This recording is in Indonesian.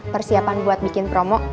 persiapan buat bikin promo